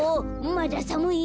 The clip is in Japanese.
まださむい？